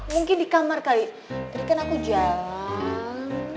mungkin di kamar kak i tadi kan aku jalan